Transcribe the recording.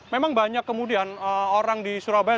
memang banyak kemudian orang di surabaya